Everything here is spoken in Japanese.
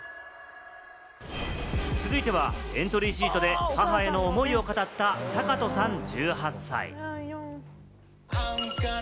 続いてエントリーシートで母への思いを語ったタカトさん１８歳。